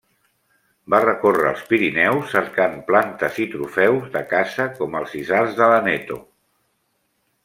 Va recórrer els Pirineus cercant plantes i trofeus de caça com els isards de l'Aneto.